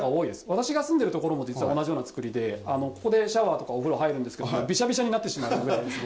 私が住んでいる所も実は同じような作りで、ここでシャワーとかお風呂入るんですけど、びしゃびしゃになってしまいますね。